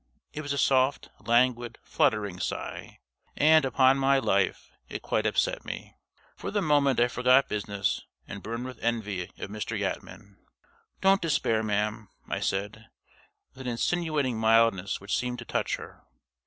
It was a soft, languid, fluttering sigh and, upon my life, it quite upset me. For the moment I forgot business, and burned with envy of Mr. Yatman. "Don't despair, ma'am," I said, with an insinuating mildness which seemed to touch her.